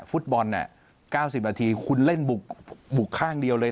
ฟุตบอล๙๐นาทีคุณเล่นบุกข้างเดียวเลย